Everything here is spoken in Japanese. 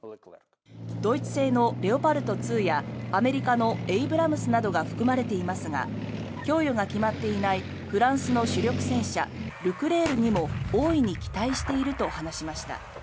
ドイツ製のレオパルト２やアメリカのエイブラムスなどが含まれていますが供与が決まっていないフランスの主力戦車ルクレールにも大いに期待していると話しました。